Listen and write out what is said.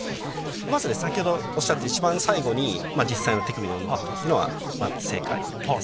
まず先ほどおっしゃった一番最後に実際の手首の運動が来るっていうのは正解ですね。